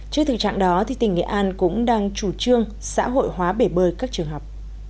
trước thực trạng đó tỉnh nghệ an cũng đang chủ trương xã hội hóa bể bơi các trường học